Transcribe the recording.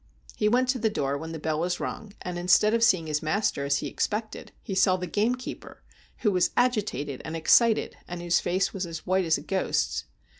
He went to the door when the bell was rung, and, instead of seeing his master as he expected, he saw the gamekeeper, who was agitated and excited, and whose face was as white as a ghost's.